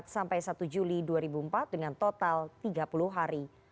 empat sampai satu juli dua ribu empat dengan total tiga puluh hari